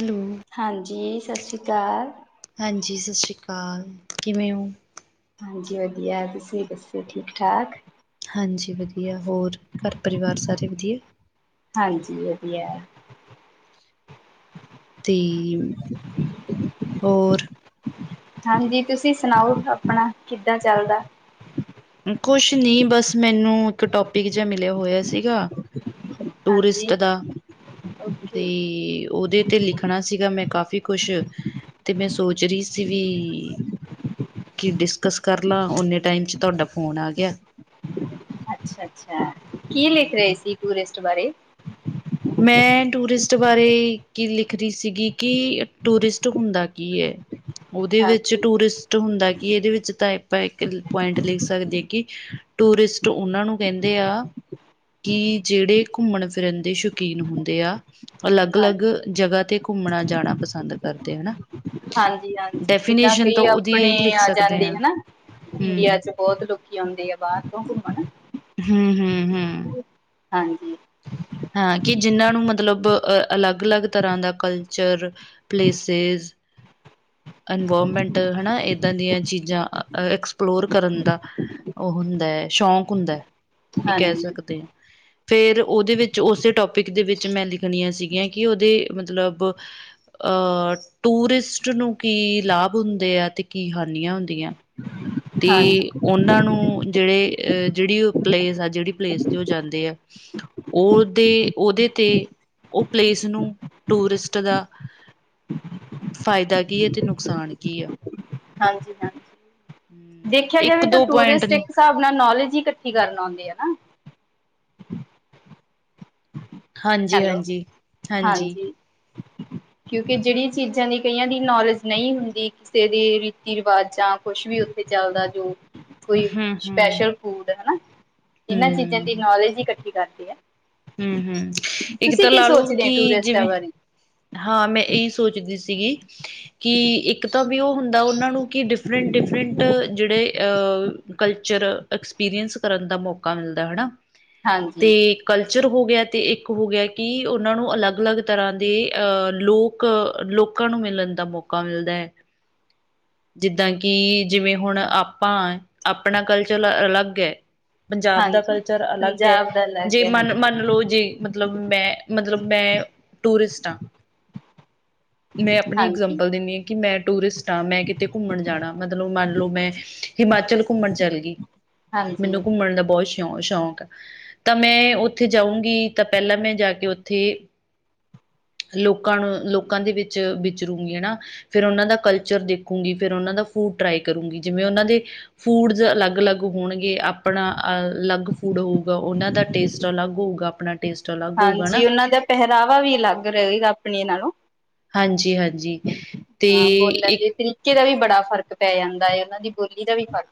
Hello. ਹਾਂਜੀ, ਸਤਿ ਸ਼੍ਰੀ ਅਕਾਲ। ਹਾਂਜੀ, ਸਤਿ ਸ਼੍ਰੀ ਅਕਾਲ, ਕਿਵੇਂ ਹੋ? ਹਾਂਜੀ ਵਧੀਆ, ਤੁਸੀਂ ਦੱਸੋ, ਠੀਕ ਠਾਕ। ਹਾਂਜੀ ਵਧੀਆ, ਹੋਰ ਘਰ, ਪਰਿਵਾਰ, ਸਾਰੇ ਵਧੀਆ। ਹਾਂਜੀ, ਵਧੀਆ। ਅਤੇ, ਹੋਰ। ਹਾਂਜੀ, ਤੁਸੀਂ ਸੁਣਾਓ, ਆਪਣਾ ਕਿੱਦਾਂ ਚੱਲਦਾ? ਕੁਛ ਨੀ, ਬਸ ਮੈਨੂੰ, ਇੱਕ ਟੋਪਿਕ, ਜਿਹਾ ਮਿਲਿਆ ਹੋਇਆ ਸੀਗਾ। ਹਾਂਜੀ ਟੂਰਿਸਟ, ਦਾ ਤੇ ਓਕੇ ਉਹਦੇ ਤੇ ਲਿਖਣਾ ਸੀਗਾ, ਮੈਂ ਕਾਫ਼ੀ ਕੁਛ ਤੇ, ਮੈਂ ਸੋਚ ਰਹੀ ਸੀ ਵੀ ਕੀ, ਡਿਸਕਸ ਕਰ ਲਾਂ, ਓਨੇ ਟਾਈਮ 'ਚ ਤੁਹਾਡਾ ਫੋਨ ਆ ਗਿਆ। ਅੱਛਾ -ਅੱਛਾ ਕੀ ਲਿਖ ਰਹੇ ਸੀ, ਟੂਰਿਸਟ ਬਾਰੇ। ਮੈਂ, ਟੂਰਿਸਟ ਬਾਰੇ, ਕੀ ਲਿਖ ਰਹੀ ਸੀਗੀ ਕਿ ਟੂਰਿਸਟ ਹੁੰਦਾ ਕੀ ਹੈ? ਉਹਦੇ, ਵਿੱਚ ਹਾਂਜੀ ਟੂਰਿਸਟ ਹੁੰਦਾ, ਕਿ ਇਹਦੇ ਵਿੱਚ ਤਾਂ ਆਪਾਂ ਇੱਕ ਪੁਆਇੰਟ ਲਿਖ ਸਕਦੇ ਹ ਕਿ। ਟੂਰਿਸਟ, ਉਹਨਾਂ ਨੂੰ ਕਹਿੰਦੇ ਆ, ਕਿ ਜਿਹੜੇ ਘੁੰਮਣ ਫਿਰਨ ਦੇ ਸ਼ ਸ਼ਕੀਨ ਹੁੰਦੇ ਆ, ਅਲੱਗ- ਹਾਂ ਅਲੱਗ ਜਗ੍ਹਾ ਤੇ, ਘੁੰਮਣਾ ਜਾਣਾ ਪਸੰਦ ਕਰਦੇ ਹਨ। ਹਾਂਜੀ -ਹਾਂਜੀ, ਜਿੱਦਾਂ ਕਈ, ਆਪਣੇ ਇਹੀ ਲਿਖ ਆ ਸਕਦੇ ਜਾਂਦੇ ਹਾਂ ਹੈਨਾ, ਇੰਡੀਆ ਹੂੰ, ਚ। ਬਹੁਤ ਲੋਕੀ ਆਉਂਦੇ ਆ, ਬਾਹਰ ਤੋਂ ਘੁੰਮਣ। ਹੁੰ ਹੁੰ। ਹੁੰ, ਹੁੰ। ਹਾਂਜੀ। ਹਾਂ, ਕਿ ਜਿਨਾਂ ਨੂੰ ਮਤਲਬ ਅਲੱਗ-, ਅਲੱਗ ਤਰ੍ਹਾਂ ਦਾ ਕਲਚਰ ਪਲੇਸਿਸ। ਇਨਵਾਇਰਮੈਂਟ ਹੈ ਨਾ ਇੱਦਾਂ ਦੀਆਂ ਚੀਜ਼ਾਂ, ਐਕਸਪਲੋਰ ਕਰਨ ਦਾ ਉਹ ਹੁੰਦਾ ਹੈ ਸ਼ੌਂਕ ਹੁੰਦਾ, ਇਹ ਕਹਿ ਹਾਂਜੀ ਸਕਦੇ ਹਾ। ਫੇਰ ਉਹਦੇ ਵਿੱਚ ਉਸੇ ਟੋਪਿਕ ਦੇ ਵਿੱਚ ਮੈਂ ਲਿਖਣੀਆਂ ਸੀਗੀਆਂ, ਕਿ ਉਹਦੇ ਮਤਲਬ ਅਹ ਟੂਰਿਸਟ ਨੂੰ ਕੀ ਲਾਭ ਹੁੰਦੇ ਆ ਤੇ ਕੀ ਹਾਨੀਆਂ ਹੁੰਦੀਆਂ? ਹ- ਤੇ ਉਹਨਾਂ ਨੂੰ ਜਿਹੜੇ ਅਹ ਜਿਹੜੀ ਪਲੇਸ ਆ, ਜਿਹੜੀ ਪਲੇਸ ਤੇ ਉਹ ਜਾਂਦੇ ਆ ਉਹਦੇ, ਉਹਦੇ ਤੇ ਉਹ ਪਲੇਸ ਨੂੰ, ਟੂਰਿਸਟ ਦਾ ਫਾਇਦਾ ਕੀ ਹੈ, ਤੇ ਨੁਕਸਾਨ ਕੀ ਆ? ਹਾਂਜੀ ਹਾਂਜੀ, ਦੇਖਿਆ ਜਾਵੇ ਇੱਕ ਤਾਂ ਦੋ ਪੁਆਇੰਟ ਟੂਰਿਸਟ ਨੇ ਇੱਕ ਹਿਸਾਬ ਆਪਣਾ ਨੌਲੇਜ ਹੀ ਇਕੱਠੀ ਕਰਨ ਆਉਂਦੇ ਹੈ ਨਾ। ਹਾਂਜੀ ਹੈਲੋ ਹਾਂਜੀ, ਹਾਂਜੀ। ਕਿਉਂਕਿ ਜਿਹੜੀ ਚੀਜ਼ਾਂ ਦੀ ਕਈਆਂ ਦੀ ਨੌਲੇਜ ਨਹੀਂ ਹੁੰਦੀ, ਕਿਸੇ ਦੇ ਰੀਤੀ ਰਿਵਾਜ਼ਾਂ ਕੁਛ ਵੀ ਉੱਥੇ ਚੱਲਦਾ ਜੋ, ਕੋਈ ਹੂੰ ਹੂੰ ਸਪੈਸ਼ਲ ਫੂਡ ਹਨਾ, ਇਹਨਾਂ ਚੀਜ਼ਾਂ ਹੂੰ ਦੀ ਨੌਲੇਜ ਹੀ ਇਕੱਠੀ ਕਰਦੀ ਹੈ। ਹਮ ਹਮ, ਇੱਕ ਤੁਸੀਂ ਤਾਂ ਕੀ ਲਾ ਲਓ ਸੋਚਦੇ ਹੋ ਕਿ ਟੂਰਿਸਟਾਂ ਜਿਵੇਂ ਬਾਰੇ ਹਾਂ, ਮੈਂ ਇਹੀ ਸੋਚਦੀ ਸੀਗੀ ਕਿ ਇੱਕ ਤਾਂ ਵੀ ਉਹ ਹੁੰਦਾ ਉਹਨਾਂ ਨੂੰ ਕਿ ਡਿਫਰੈਂਟ- ਡਿਫਰੈਂਟ, ਜਿਹੜੇ ਕਲਚ ਐਕਸਪੀਰੀਅੰਸ ਕਰਨ ਦਾ ਮੌਕਾ ਮਿਲਦਾ ਹਨਾ, ਤੇ ਹਾਂਜੀ ਕਲਚਰ ਹੋ ਗਿਆ ਅਤੇ ਇੱਕ ਹੋ ਗਿਆ, ਕਿ ਉਹਨਾਂ ਨੂੰ ਅਲੱਗ ਅਲੱਗ ਤਰ੍ਹਾਂ ਦੇ ਅਹ ਲੋਕ, ਲੋਕਾਂ ਨੂੰ ਮਿਲਣ ਦਾ ਮੌਕਾ ਮਿਲਦਾ ਹੈ। ਜਿੱਦਾਂ ਕਿ, ਜਿਵੇਂ ਹੁਣ ਆਪਾਂ ਆਪਣਾ ਕਲਚਰ ਅਲੱਗ ਹੈ, ਪੰਜਾਬ ਦਾ ਹਾਂਜੀ ਕਲਚਰ ਅਲੱਗ ਹੈ, ਪੰਜਾਬ ਦਾ ਅਲੱਗ ਜੇ ਹੈ ਮਨ ਮੰਨ ਲਓ ਜੇ ਮਤਲਬ ਮੈਂ, ਮਤਲਬ ਮੈਂ ਟੂਰਿਸਟ ਹਾਂ ਮੈਂ ਆਪਣੀ ਹਾਂਜੀ ਇਗਜਾਮਪਲ ਦਿੰਦੀ ਹਾਂ, ਕਿ ਮੈਂ ਟੂਰਿਸਟ ਮੈਂ ਕਿਤੇ ਘੁੰਮਣ ਜਾਣਾ, ਮਤਲਬ ਮੰਨ ਲਓ, ਮੈਂ ਹਿਮਾਚਲ ਘੁੰਮਣ ਚੱਲ ਗਈ। ਮੈਨੂੰ ਹਾਂਜੀ ਘਮਣ ਦਾ ਬਹੁ ਸ਼ ਸ਼ ਸ਼ੌਕ, ਤਾਂ ਮੈਂ ਉੱਥੇ ਜਾਊਂਗੀ ਤਾਂ, ਪਹਿਲਾਂ ਮੈਂ ਜਾ ਕੇ ਉੱਥੇ ਲੋਕਾਂ ਨੂੰ, ਲੋਕਾਂ ਦੇ ਵਿੱਚ ਵਿਚਰੂਗੀ, ਹਨਾ। ਫਿਰ ਉਹਨਾਂ ਦਾ ਕਲਚਰ ਦੇਖੂੰਗੀ, ਫਿਰ ਉਹਨਾਂ ਦਾ ਫੂਡ ਟਰਾਈ ਕਰੂਗੀ, ਜਿਵੇਂ ਉਹਨਾਂ ਦੇ ਫੂਡਜ਼ ਅਲੱਗ- ਅਲੱਗ ਹੋਣਗੇ, ਆਪਣਾ ਅਲੱਗ ਫੂਡ ਹੋਊਗਾ, ਉਹਨਾਂ ਦਾ ਟੇਸਟ ਅਲੱਗ ਹੋਊਗਾ, ਆਪਣਾ ਟੇਸਟ ਅਲੱਗ ਹੋਊਗਾ ਹਾਂਜੀ, ਨਾ ਉਹਨਾਂ ਦਾ ਪਹਿਰਾਵਾ ਵੀ ਅਲੱਗ ਰਹੇਗਾ ਆਪਣੀਆਂ ਨਾਲੋਂ। ਹਾਂਜੀ ਹਾਂਜੀ, ਤੇ ਹਾਂ ਬੋਲਣ ਦੇ ਇੱਕ ਤਰੀਕੇ ਦਾ ਵੀ ਬੜਾ ਫ਼ਰਕ ਪੈ ਜਾਂਦਾ ਹੈ, ਉਹਨਾਂ ਦੀ ਬੋਲੀ ਦਾ ਵੀ ਫਰਕ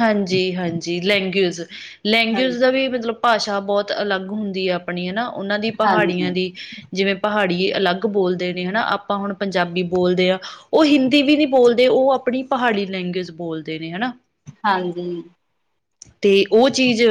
ਹਾਂਜੀ ਹਾਂਜੀ ਲੈਂਗੁਏਜ, ਲੈਂਗੁਏਜ ਦਾ ਵੀ ਹਾਂਜੀ ਮਤਲਬ ਭਾਸ਼ਾ ਬਹੁਤ ਅਲੱਗ ਹੁੰਦੀ ਹੈ ਆਪਣੀ ਹਨਾ, ਉਹਨਾਂ ਦੀ ਪਹਾੜੀਆਂ ਹਾਂਜੀ ਦੀ ਜਿਵੇਂ ਪਹਾੜੀ ਅਲੱਗ ਬੋਲਦੇ ਨੇ ਹਨਾ, ਆਪਾਂ ਹੁਣ ਪੰਜਾਬੀ ਬੋਲਦੇ ਹਾਂ। ਉਹ ਹਿੰਦੀ ਵੀ ਨਹੀ ਬੋਲਦੇ, ਉਹ ਆਪਣੀ ਪਹਾੜੀ ਲੈਂਗੁਵੇਜ ਬੋਲਦੇ ਨੇ, ਹਨਾ। ਹਾਂਜੀ। ਤੇ ਉਹ ਚੀਜ਼,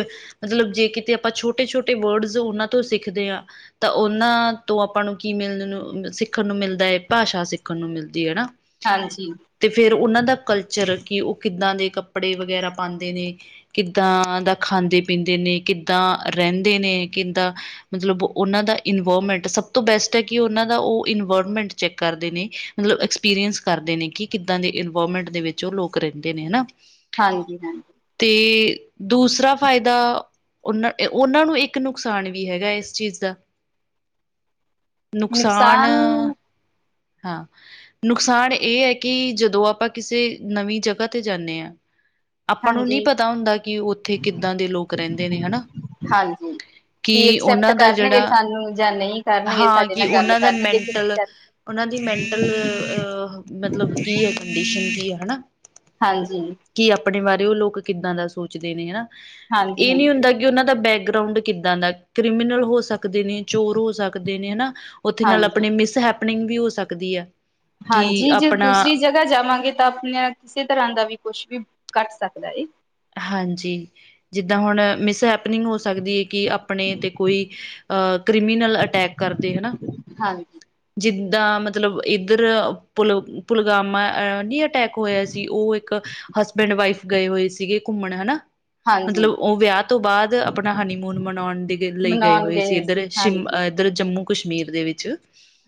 ਮਤਲਬ ਜੇ ਕਿਤੇ ਆਪਾਂ ਛੋਟੇ ਛੋਟੇ ਵਰਡਜ਼ ਉਹਨਾਂ ਤੋਂ ਸਿੱਖਦੇ ਹਾਂ ਤਾਂ ਉਹਨਾਂ ਤੋਂ ਆਪਾਂ ਨੂੰ ਕੀ ਮਿਲਣ ਨੂੰ ਸਿੱਖਣ ਨੂੰ ਮਿਲਦਾ ਹੈ, ਭਾਸ਼ਾ ਸਿੱਖਣ ਨੂੰ ਮਿਲਦੀ, ਹਨਾ। ਹਾਂਜੀ। ਤੇ ਫਿਰ ਉਨਾਂ ਦਾ ਕਲਚਰ ਕਿ ਓ ਕਿੱਦਾਂ ਦੇ ਕੱਪੜੇ ਵਗੈਰਾ ਪਾਂਦੇ ਨੇ। ਕਿੱਦਾਂ ਦਾ ਖਾਂਦੇ-ਪੀਂਦੇ ਨੇ ਕਿੱਦਾਂ ਰੈੰਦੇ ਨੇ ਕਿੱਦਾਂ ਮਤਲਬ ਓਨਾਂ ਦਾ ਇਨਵਾਰਮੈਂਟ ਸਭ ਤੋਂ ਬੈਸਟ ਐ ਕਿ ਓਨਾਂ ਦਾ ਓ ਇਨਵਾਰਮੈਂਟ ਚੈੱਕ ਕਰਦੇ ਨੇ। ਮਤਲਬ ਐਕਸਪੀਰੀਸ ਕਰਦੇ ਨੇ ਕਿ ਕਿਦਾਂ ਦੇ ਇਨਵਾਰਮੈਂਟ ਦੇ ਵਿੱਚ ਓ ਲੋਕ ਰੇੱਦੇ ਨੇ ਨਾ। ਹਾਂਜੀ-ਹਾਂਜੀ। ਤੇ ਦੂਸਰਾ ਫਾਇਦਾ ਓਨਾਂ ਓਨਾਂ ਨੂੰ ਇੱਕ ਨੁਕਸਾਨ ਵੀ ਹੈਗਾ ਇਸ ਚੀਜ਼ ਦਾ ਨੁਕਸਾਨ ਹਾਂ ਨੁਕਸਾਨ ਏ ਐ ਕਿ ਜਦੋਂ ਆਪਾਂ ਕਿਸੇ ਨਵੀਂ ਜਗ੍ਹਾ ਤੇ ਜਾਣੇ ਆ ਆਪਾਂ ਨੂੰ ਨੀ ਹਾਂਜੀ ਪਤਾ ਹੁੰਦਾ ਕਿ ਉੱਥੇ ਕਿੱਦਾਂ ਦੇ ਲੋਕ ਰੈੰਦੇ ਨੇ ਹੈਨਾ ਹਾਂਜੀ। ਕੀ ਐਕਸੈਪਟ ਕਾਰਨਗੇ ਜਿਹੜਾ ਸਾਨੂੰ ਜਾਂ ਨਈ ਕਾਰਨਗੇ ਸਾਡੇ ਨਾਲ ਗੱਲ ਕਾਰਨਗੇ ਕੇ ਨਈ ਕਾਰਨਗੇ। ਓਨਾਂ ਦੀ ਮੈਂਟਲ ਮਤਲਬ ਕੀ ਐ ਕੰਡੀਸ਼ਨ ਕੀ ਐ ਹੈਨਾ ਹਾਂਜੀ। ਕਿ ਆਪਣੇ ਬਾਰੇ ਓ ਲੋਕ ਕਿੱਦਾਂ ਦਾ ਸੋਚਦੇ ਨੇ ਨਾ ਹਾਂਜੀ ਏ ਨੀ ਹਾਂਜੀ ਹੁੰਦਾ ਕਿ ਕਿ ਓਨਾਂ ਦਾ ਬੈਕਗਰਾਊਂਡ ਕਿੱਦਾਂ ਦਾ ਕ੍ਰਿਮਨਲ ਹੋ ਸਕਦੇ ਨੇ ਚੋਰ ਹੋ ਸਕਦੇ ਨੇ ਏਨਾ ਓਥੇ ਨਾਲ ਹਾਂਜੀ ਅਪਣੇ ਮਿਸਹੈਪਨਿੰਗ ਵੀ ਹੋ ਸਕਦੀ ਐ। ਹਾਂਜੀ ਜੇ ਦੂਸਰੀ ਜਗ੍ ਜਾਵਾਂਗੇ ਤਾਂ ਆਪਣੇਆਂ ਕਿਸੇ ਤਰ੍ਹਾਂ ਦਾ ਵੀ ਕੁੱਛ ਵੀ ਕਟ ਸਕਦਾ ਏ। ਹਾਂਜੀ। ਜਿੱਦਾਂ ਹੁਣ ਮਿਸਹੈਪਨਿੰਗ ਹੋ ਸਕਦੀ ਏ ਕਿ ਆਪਣੇ ਤੇ ਕੋਈ ਅ ਕ੍ਰਿਮੀਨਲ ਅਟੈਕ ਕਾਰਦੇ ਹੈਨਾ- ਹਾਂਜੀ। ਜਿੱਦਾਂ ਮਤਲਬ ਏਧਰ ਪੁਲ ਪੁਲਗਾਮਾਹ ਨੀ ਐ ਅਟੈਕ ਹੋਇਆ ਸੀ ਓ ਇੱਕ ਹਸਬੈਂਡ-ਵਾਈਫ ਗਏ ਹੋਏ ਸੀਗੇ ਕੁਮਣ ਹੈਨਾ। ਹਾਂਜੀ ਮਤਲਬ ਓ ਵਿਆਹ ਤੋਂ ਬਾਅਦ ਆਪਣਾ ਹਨੀਮੂਨ ਮਨੋਣ ਦੇ ਲਈ ਗਏ ਹੋਏ ਸੀ ਇੱਧਰ ਸ਼ਿਮ ਅਹ ਇੱਧਰ ਜੰਮੂ-ਕਸ਼ਮੀਰ ਦੇ ਵਿੱਚ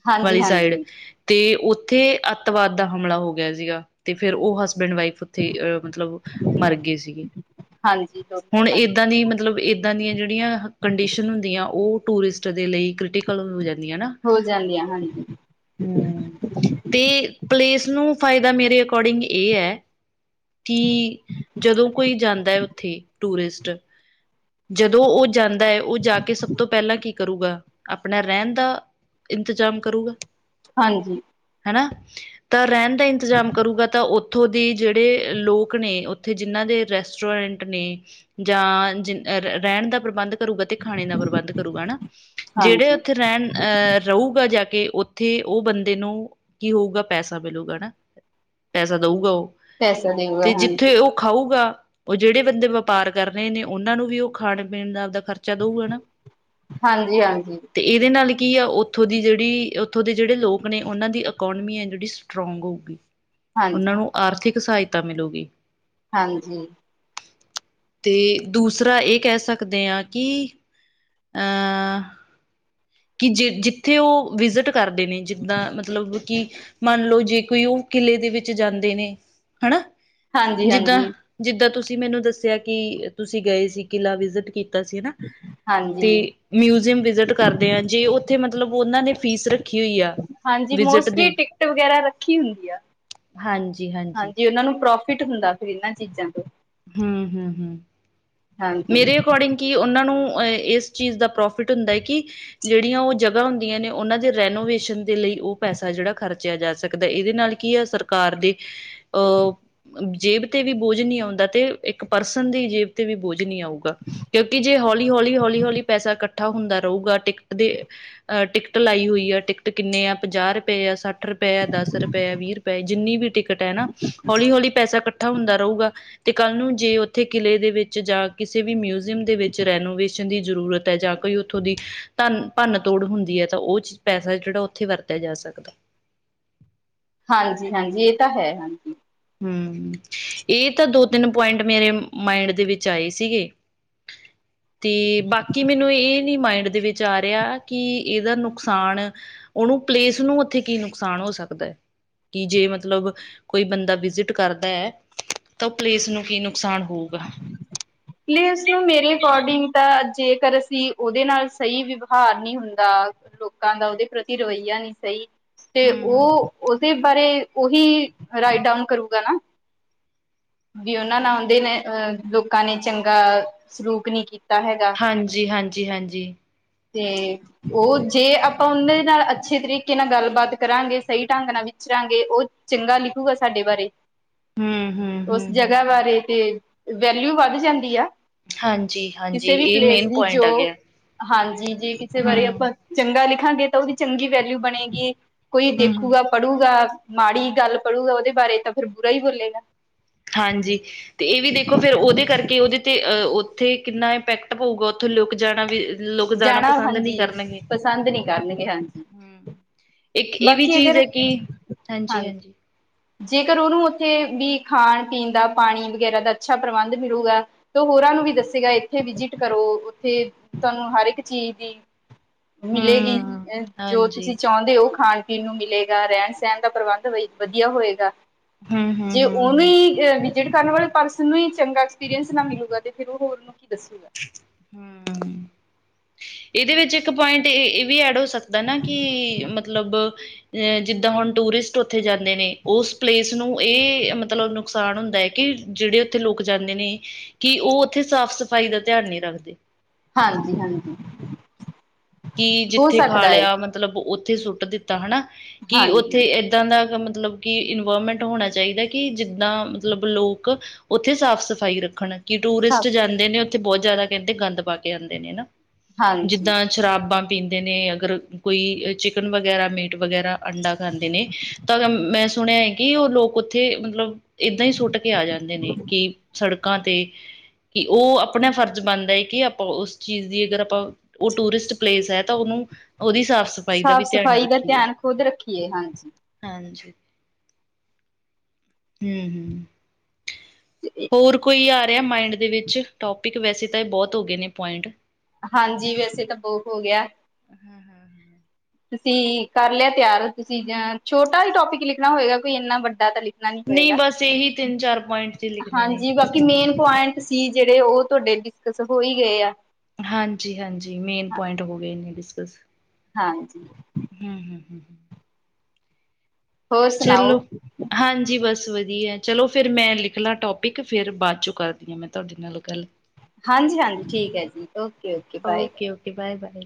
ਹਾਂਜੀ ਵਾਲੀ ਸਾਈਡ ਹਾਂਜੀ ਤੇ ਉੱਥੇ ਅੱਤਵਾਦ ਦਾ ਹਮਲਾ ਹੋ ਗਯਾ ਸੀਗਾ। ਤੇ ਫੇਰ ਓ ਹਸਬੈਂਡ-ਵਾਈਫ ਉੱਥੇ ਅਹ ਮਤਲਬ ਮਰਗੇ ਸੀ। ਹਾਂਜੀ ਦੋਨੋਂ ਹੀ ਹੁਣ ਮਰ ਗਏ ਏਦਾਂ ਦੀ ਮਤਲਬ ਏ ਏਦਾਂ ਦੀਆਂ ਜੜੀਆਂ ਕੰਡੀਸ਼ਨ ਹੁੰਦੀਆਂ ਓ ਟੂਰਿਸਟ ਦੇ ਲਈ ਕ੍ਰਿਟੀਕਲ ਹੋ ਜਾਂਦੀਆਂ ਨਾ ਹੋ ਜਾਂਦੀਆਂ ਹਾਂਜੀ ਹੂੰ ਤੇ ਪਲੇਸ ਨੂੰ ਫਾਇਦਾ ਮੇਰੇ ਅਕੋਰਡਿੰਗ ਏ ਐ ਕਿ ਜਦੋਂ ਕੋਈ ਜਾਂਦ ਦਾ ਓਥੇ ਟੂਰਿਸਟ ਜਦੋਂ ਓ ਜਾਂਦਾ ਓ ਜਾ ਕੇ ਸਭ ਤੋਂ ਪੈਲਾਂ ਕੀ ਕਰੂਗਾ ਆਪਣਾ ਰਹਿਣ ਦਾ ਇੰਤਜ਼ਾਮ ਕਰੂਗਾ ਹਾਂਜੀ। ਹੈਨਾ ਤਾਂ ਰੈਣ ਦਾ ਇੰਤਜ਼ਾਮ ਕਰੂਗਾ ਤਾਂ ਓਥੋਂ ਦੇ ਜੇੜੇ ਲੋਕ ਨੇ ਓਥੇ ਜਿੰਹਨਾਂ ਦੇ ਰੈਸਟੋਰੈਂਟ ਨੇ ਜਾਂ ਰੈਣ ਦਾ ਪ੍ਰਬੰਧ ਕਰੂਗਾ ਤੇ ਖਾਣੇ ਦਾ ਪ੍ਰਬੰਧ ਕਰੂਗਾ ਨਾ ਜੇੜੇ ਹਾਂਜੀ ਓਥੇ ਰੈਣ ਅਹ ਰਹੁਗਾ ਜਾ ਕੇ ਓਥੇ ਓ ਬੰਦੇ ਨੂੰ ਕੀ ਹੋਊਗਾ ਪੈਸਾ ਮਿਲੂਗਾ ਨਾ ਪੈਸਾ ਦਊਗਾ ਓ ਪੈਸਾ ਦੇਊਗਾ ਤੇ ਹਾਂਜੀ ਜਿੱਥੇ ਓ ਖਾਊਗਾ ਓ ਜੇੜੇ ਬੰਦੇ ਵਪਾਰ ਕਰ ਰਹੇ ਨੇ ਓਨਾਂ ਨੂੰ ਵੀ ਓ ਖਾਣ-ਪੀਣ ਦਾ ਆਪਦਾ ਖਰਚਾ ਦਊਗਾ ਨਾ ਹਾਂਜੀ-ਹਾਂਜੀ। ਤੇ ਏਦੇ ਨਾਲ ਕੀ ਆ ਓਥੋਂ ਦੀ ਜੇੜੀ ਓਥੋਂ ਦੇ ਜੇੜੇ ਲੋਕ ਨੇ ਓਨਾਂ ਦੀ ਇਕੋਨਮੀ ਐਂ ਡਿਸ ਸਟਰੋਂਗ ਹੋਊਗੀ, ਉਹਨਾਂ ਹਾਂਜੀ ਨੂੰ ਆਰਥਿਕ ਸਹਾਇਤਾ ਮਿਲੂਗੀ ਹਾਂਜੀ ਤੇ ਦੂਸਰਾ ਇਹ ਕਹਿ ਸਕਦੇ ਆਂ ਕਿ ਅਂ ਕਿ ਜੇ ਜਿੱਥੇ ਉਹ ਵਿਜਿਟ ਕਰਦੇ ਨੇ, ਜਿੱਦਾਂ ਮਤਲਬ ਕਿ ਮੰਨ ਲਓ ਜੇ ਕੋਈ ਉਹ ਕਿਲੇ ਦੇ ਵਿੱਚ ਜਾਂਦੇ ਨੇ, ਹਨਾ ਹਾਂਜੀ ਹਾਂਜੀ ਜਿੱਦਾਂ-ਜਿੱਦਾਂ ਤੁਸੀਂ ਮੈਨੂੰ ਦੱਸਿਆ ਕਿ ਤੁਸੀਂ ਗਏ ਸੀ ਕਿਲ੍ਹਾ ਵਿਜਿਟ ਕੀ ਕੀਤਾ ਸੀ ਨਾ ਹਾਂਜੀ ਤੇ, ਮਿਊਜ਼ੀਅਮ ਵਿਜਿਟ ਕਰਦੇ ਆ ਜੇ ਉੱਥੇ ਮਤਲਬ ਉਹਨਾਂ ਨੇ ਫੀਸ ਰੱਖੀ ਹੋਈ ਆ ਹਾਂਜੀ, ਵਿਜਿਟ ਮੋਸਟਲੀ ਦੀ ਟਿਕਟ ਵਗੈਰਾ ਰੱਖੀ ਹੁੰਦੀ ਆ ਹਾਂਜੀ ਉਹਨਾਂ ਨੂੰ ਪ੍ਰੋਫਿਟ ਹੁੰਦਾ ਫਿਰ ਇਹਨਾਂ ਚੀਜ਼ਾਂ ਤੋਂ ਹਮ-ਹਮ-ਹਮ ਹਾਂਜੀ ਮੇਰੇ ਅਕੋਰਡਿੰਗ ਕਿ ਉਹਨਾਂ ਨੂੰ ਇਸ ਚੀਜ਼ ਦਾ ਪ੍ਰੋਫਿਟ ਹੁੰਦਾ ਕਿ ਜਿਹੜੀਆਂ ਉਹ ਜਗ੍ਹਾ ਹੁੰਦੀਆਂ ਨੇ, ਉਹਨਾਂ ਦੇ ਰੈਨੋਵੇਸ਼ਨ ਦੇ ਲਈ ਉਹ ਪੈਸਾ ਜਿਹੜਾ ਖਰਚਿਆ ਜਾ ਸਕਦਾ ਏ, ਇਹਦੇ ਨਾਲ ਕੀ ਆ ਸਰਕਾਰ ਦੀ, ਅਹ ਜੇਬ ਤੇ ਵੀ ਬੋਝ ਨਹੀ ਆਉਂਦਾ ਤੇ, ਇੱਕ ਪਰਸਨ ਦੀ ਜੇਬ ਤੇ ਵੀ ਬੋਝ ਨਹੀ ਆਊਗਾ ਕਿਉਂਕਿ ਜੇ ਹੌਲੀ-ਹੌਲੀ, ਹੌਲੀ-ਹੌਲੀ ਪੈਸਾ ਇਕੱਠਾ ਹੁੰਦਾ ਰਹੂਗਾ ਟਿਕਟ ਦੇ ਅਹ ਟਿਕਟ ਲਾਈ ਹੋਈ ਆ, ਟਿਕਟ ਕਿੰਨੇ ਆ ਪੰਜਾਹ ਰੁਪਏ ਜਾਂ ਸੱਠ ਅੱਠ ਰੁਪਇਆ ਦਸ ਰੁਪਇਆ ਵੀਹ ਰੁਪਏ ਜਿੰਨੀ ਵੀ ਟਿਕਟ ਹੈ ਨਾ ਹੌਲੀ-ਹੌਲੀ ਪੈਸਾ ਇਕੱਠਾ ਹੁੰਦਾ ਰਹੂਗਾ ਤੇ ਕੱਲ੍ਹ ਨੂੰ ਜੇ ਉੱਥੇ ਕਿਲ੍ਹੇ ਦੇ ਵਿੱਚ ਜਾਂ ਕਿਸੇ ਵੀ ਮਿਊਜ਼ੀਅਮ ਦੇ ਵਿੱਚ ਰੈਨੋਵੇਸ਼ਨ ਦੀ ਜ਼ਰੂਰਤ ਹੈ ਜਾਂ ਕੋਈ ਉ ਉੱਥੋਂ ਦੀ, ਧਨ ਭੰਨ ਤੋੜ ਹੁੰਦੀ ਹੈ ਤਾਂ ਉਹ ਪੈਸਾ ਜਿਹੜਾ ਉੱਥੇ ਵਰਤਿਆ ਜਾ ਸਕਦਾ ਹਾਂਜੀ-ਹਾਂਜੀ ਇਹ ਤਾਂ ਹੈ, ਹਾਂਜੀ ਹਮ, ਇਹ ਤਾਂ ਦੋ ਤਿੰਨ ਪੁਆਇੰਟ ਮੇਰੇ ਮਾਇੰਡ ਦੇ ਵਿੱਚ ਆਏ ਸੀਗੇ [inaudible] ਤੇ ਬਾਕੀ ਮੈਨੂੰ ਇਹ ਨੀ ਮਾਇੰਡ ਦੇ ਵਿੱਚ ਆ ਰਿਹਾ ਕਿ ਇਹਦਾ ਨੁਕਸਾਨ ਉਹਨੂੰ ਪਲੇਸ ਨੂੰ ਉੱਥੇ ਕੀ ਨੁਕਸਾਨ ਹੋ ਸਕਦਾ, ਕਿ ਜੇ ਮਤਲਬ ਕੋਈ ਬੰਦਾ ਵਿਜਿਟ ਕਰਦਾ ਹੈ, ਤਾਂ ਉਹ ਪਲੇਸ ਨੂੰ ਕੀ ਨੁਕਸਾਨ ਹੋਊਗਾ ਪਲੀਜ ਉਸਨੂੰ ਮੇਰੇ ਅਕੋਰਡਿੰਗ ਤਾਂ ਜੇਕਰ ਅਸੀਂ ਉਹਦੇ ਨਾਲ ਸਹੀ ਵਿਵਹਾਰ ਨਹੀਂ ਹੁੰਦਾ ਲੋਕਾਂ ਦਾ ਉਹਦੇ ਪ੍ਰਤੀ, ਰਵੱਈਆ ਨਹੀਂ ਸਹੀ ਤੇ ਹੂੰ-ਹੂੰ, ਉਹ, ਉਹਦੇ ਬਾਰੇ, ਓਹੀ ਰਾਇਟਡਾਊਨ ਕਰੂਗਾ ਨਾ ਵੀ ਉਹਨਾਂ ਨਾਲ ਆਦੇ ਨੇ ਅ ਲੋਕਾਂ ਨੇ ਚੰਗਾ ਸਲੂਕ ਨੀ ਕੀਤਾ ਹੈਗਾ ਹਾਂਜੀ-ਹਾਂਜੀ- ਹਾਂਜੀ ਤੇ ਉਹ ਜੇ ਆਪਾਂ ਔਦੇਂ ਨਾਲ ਅੱਛੇ ਤਰੀਕੇ ਨਾਲ ਗੱਲਬਾਤ ਕਰਾਂਗੇ, ਸਹੀ ਢੰਗ ਨਾਲ ਵਿਚਰਾਂਗੇ, ਉਹ ਚੰਗਾ ਲਿਖੂਗਾ ਸਾਡੇ ਬਾਰੇ ਹਮ-ਹਮ ਉਸ ਜਗ੍ਹਾ ਬਾਰੇ ਤੇ, ਵੈਲਿਊ ਵੱਧ ਜਾਂਦੀ ਆ ਹਾਂਜੀ-ਹਾਂਜੀ ਕਿਸੇ ਵੀ ਇਹ ਪਲੇਸ ਮੇਨ ਦੀ ਜੋ, ਪੁਆਇੰਟ ਆ ਗਿਆ। ਹਾਂਜੀ ਜੇ ਕਿਸੇ ਹੂੰ, ਬਾਰੇ ਆਪਾਂ ਚੰਗਾ ਲਿਖਾਂਗੇ ਤਾਂ ਉਹਦੀ ਚੰਗੀ ਵੈਲਿਊ ਬਣੇਗੀ, ਕੋਈ ਹੂੰ-ਹੂੰ। ਦੇਖੂਗਾ ਪੜੁਗਾ ਮਾੜੀ ਗੱਲ ਪੜੂਗਾ ਉਹਦੇ ਬਾਰੇ, ਤਾਂ ਫਿਰ ਬੁਰਾ ਹੀ ਬੋਲੇਗਾ ਹਾਂਜੀ ਤੇ ਇਹ ਵੀ ਦੇਖੋ ਫੇਰ ਉਹਦੇ ਕਰਕੇ ਉਹਦੇ ਤੇ ਅਹ ਉੱਥੇ ਕਿੰਨਾ ਇੰਪੈਕਟ ਪਊਗਾ ਉੱਥੇ ਲੁਕ ਜਾਣਾ ਵੀ ਲੁਕ ਜਾਣਾ ਪਸੰਦ ਨਹੀਂ ਹਾਂਜੀ ਕਰਨਗੇ ਪਸੰਦ ਨਹੀਂ ਕਰਨਗੇ ਹਾਂਜੀ ਇੱਕ ਇਹ ਵੀ ਬਾਕੀ ਚੀਜ਼ ਅਗਰ ਹੈ ਕਿ, ਹਾਂਜੀ- ਹਾਂਜੀ ਜੇਕਰ ਉਹਨੂੰ ਉੱਥੇ ਵੀ ਖਾਣ ਪੀਣ ਦਾ ਪਾਣੀ ਵਗੈਰਾ ਦਾ ਅੱਛਾ ਪ੍ਰਬੰਧ ਮਿਲੂਗਾ ਤੇ ਹੋਰਾਂ ਨੂੰ ਵੀ ਦੱਸੇਗਾ, ਇੱਥੇ ਵਿਜਿਟ ਕਰੋ, ਉੱਥੇ ਤੁਹਾਨੂੰ ਹਰ ਇੱਕ ਚੀਜ਼ ਦੀ ਮਿਲੇਗੀ, ਹੂੰ ਅ ਜੋ ਹਾਂਜੀ ਤੁਸੀਂ ਚਾਹੁੰਦੇ ਹੋ ਖਾਣ ਨੂੰ ਮਿਲੇਗਾ, ਰਹਿਣ ਸਹਿਣ ਦਾ ਪ੍ਰਬੰਧ ਵ ਵਧੀਆ ਹੋਏਗਾ, ਜੇ ਹੂੰ-ਹੂੰ-ਹੂੰ-ਹੂੰ ਹੂੰ ਹੂੰ ਉਹਵੇੂੰ ਵਿਜਿਟ ਕਰਨ ਵਾਲੇ ਪਰਸਨ ਨੂੰ ਹੀ ਚੰਗਾ ਐਕਸਪੀਰੀਅੰਸ ਨਾ ਮਿਲਲੇਗਾ, ਤੇ ਫਿਰ ਉਹ ਹੋਰ ਨੂੰ ਕੀ ਦੱਸੂਗਾ! ਹਮ। ਇਹਦੇ ਵਿੱਚ ਇੱਕ ਪੁਆਇੰਟ ਇਹ ਵੀ ਐਡ ਹੋ ਸਕਦਾ ਨਾ, ਕਿ ਮਤਲਬ ਅ ਜਿੱਦਾਂ ਹੁਣ ਟੂਰਿਸਟ ਉੱਥੇ ਜਾਂਦੇ ਨੇ, ਉਸ ਪਲੇਸ ਨੂੰ ਇਹ ਮਤਲਬ ਨੁਕਸਾਨ ਹੁੰਦਾ ਹੈ ਕਿ ਜਿਹੜੇ ਉੱਥੇ ਲੋਕ ਜਾਂਦੇ ਨੇ, ਕਿ ਉਹ ਉੱਥੇ ਸਾਫ਼ ਸਫ਼ਾਈ ਦਾ ਧਿਆਨ ਨਹੀਂ ਰੱਖਦੇ। ਹਾਂਜੀ, ਹਾਂਜੀ। ਕਿ ਹੋ ਜਿੱਥੇ ਖਾ ਸਕਦਾ ਹੈ ਲਿਆ ਮਤਲਬ, ਉੱਥੇ ਸੁੱਟ ਦਿੱਤਾ ਹਨਾ, ਕਿ ਉੱਥੇ ਹਾਂਜੀ ਇੱਦਾਂ ਦਾ ਮਤਲਬ ਕਿ ਇਨਵੋਰਵਮੈਂਟ ਹੋਣਾ ਚਾਹੀਦਾ, ਕਿ ਜਿੱਦਾਂ ਮਤਲਬ ਲੋਕ ਉੱਥੇ ਸਾਫ਼ ਸਫ਼ਾਈ ਰੱਖਣ। ਕਿ ਸਭ ਟੂਰਿਸਟ ਜਾਂਦੇ ਨੇ ਉੱਥੇ ਬਹੁਤ ਜ਼ਿਆਦਾ ਕਹਿੰਦੇ ਗੰਦ ਪਾ ਕੇ ਆਦੇ ਨੇ, ਹਨਾ। ਹਾਂਜੀ ਜਿੱਦਾਂ ਸ਼ਰਾਬਾਂ ਪੀਂਦੇ ਨੇ ਅਗਰ ਕੋਈ ਚਿਕਨ ਵਗੈਰਾ, ਮੀਟ ਵਗੈਰਾ, ਅੰਡਾ ਖਾਂਦੇ ਨੇ ਤਾਂ ਮੈਂ ਸੁਣਿਆ ਹੈ ਕਿ ਉਹ ਲੋਕ ਉੱਥੇ ਮਤਲਬ ਏਦਾਂ ਹੀ ਸੁੱਟ ਕੇ ਆ ਜਾਂਦੇ ਨੇ, ਕਿ ਸੜਕਾਂ ਤੇ ਕਿ ਉਹ ਆਪਣਾ ਫਰਜ਼ ਬਣਦਾ ਹੈ, ਕਿ ਆਪਾਂ ਉਸ ਚੀਜ਼ ਦੀ ਅਗਰ ਆਪਾਂ ਉਹ ਟੂਰਿਸਟ ਪਲੇਸ ਹੈ ਤਾਂ ਉਹਨੂੰ, ਉਹਦੀ ਸਾਫ਼ ਸ ਸਾਫ਼ ਸਫ਼ਾਈ ਦਾ ਧਿਆਨ ਖੁਦ ਰੱਖੀਏ, ਹਾਂਜੀ। ਹਾਂਜੀ, ਹਮ ਹਮ। ਹੋਰ ਕੋਈ ਆ ਰਿਹਾ ਮਾਇੰਡ ਦੇ ਵਿੱਚ ਟੋਪਿਕ, ਵੈਸੇ ਤਾਂ ਇਹ ਬਹੁਤ ਹੋ ਗਏ ਨੇ ਪੁਆਇੰਟ। ਹਾਂਜੀ, ਵੈਸੇ ਤਾਂ ਬਹੁਤ ਹੋ ਗਿਆ। ਹਮ, ਹਮ, ਹਮ। ਤੁਸੀਂ ਕਰ ਲਿਆ ਤਿਆਰ, ਤੁਸੀਂ ਅ ਛੋਟਾ ਹੀ ਟੋਪਿਕ ਲਿਖਣਾ ਹੋਏਗਾ, ਕੋਈ ਇੰਨਾ ਵੱਡਾ ਤਾਂ ਲਿਖ ਨਹੀਂ ਬਸ ਇਹੀ ਤਿੰਨ, ਚਾਰ ਪੁਆਇੰਟ ਤੇ ਲਿਖਣੇ ਨੇ। ਹਾਂਜੀ ਬਾਕੀ ਮੇਨ ਪੁਆਇੰਟ ਸੀ ਜਿਹੜੇ ਉਹ ਤੁਹਾਡੇ, ਡਿਸਕਸ ਹੋਈ ਗਏ ਆ। ਹਾਂਜੀ ਹਾਂਜੀ, ਮੇਨ ਪੁਆਇੰਟ ਹੋ ਗਏ ਨੇ ਡਿਸਕਸ ਹਾਂਜੀ। ਹਮ, ਹਮ, ਹਮ। ਹੋਰ ਚੱਲੋ। ਸੁਣਾਓ ਹਾਂਜੀ ਬਸ ਵਧੀਆ, ਚਲੋ ਫਿਰ ਮੈਂ ਲਿਖ ਲਾਂ ਟੋਪਿਕ, ਫਿਰ ਬਾਅਦ ਚੋਂ ਕਰਦੀ ਹਾਂ ਮੈਂ ਤੁਹਾਡੇ ਨਾਲ ਗੱਲ। ਹਾਂਜੀ ਹਾਂਜੀ ਠੀਕ ਹੈ ਜੀ, ਓਕੇ ਓਕੇ ਬਾਏ। ਓ, ਬਾਏ ਬਾਏ।